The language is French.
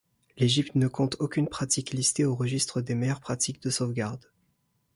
L'Égypte ne compte aucune pratique listée au registre des meilleures pratiques de sauvegarde.